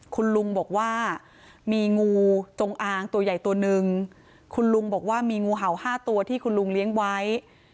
คุณลุงบอกว่ามีงูจงอางตัวใหญ่ตัวนึงคุณลุงบอกว่ามีงูเห่าห้าตัวที่คุณลุงเลี้ยงไว้